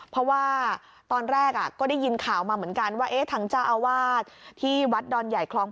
เพราะว่าตอนแรกก็ได้ยินข่าวมาเหมือนกันว่าทางเจ้าอาวาสที่วัดดอนใหญ่คลอง